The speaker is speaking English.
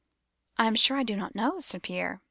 "'I am sure I do not know,' said Pierre.